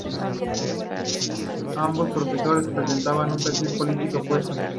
Ambos profesores presentaban un perfil político opuesto.